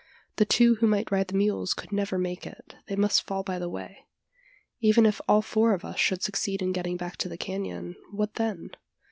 The two who might ride the mules could never make it they must fall by the way. Even if all four of us should succeed in getting back to the canon, what then?